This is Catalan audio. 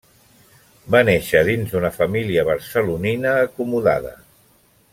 Va néixer dins d'una família barcelonina acomodada.